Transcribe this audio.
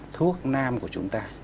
thuốc nam của chúng ta